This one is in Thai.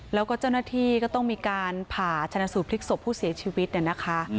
แล้วก็เจ้าหน้าที่ก็ต้องมีการผ่าชนะสูตพลิกศพผู้เสียชีวิตเนี่ยนะคะ